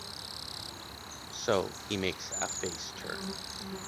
So he makes a face turn.